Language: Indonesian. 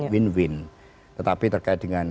win win tetapi terkait dengan